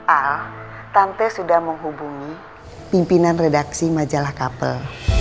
al tante sudah menghubungi pimpinan redaksi majalah kapal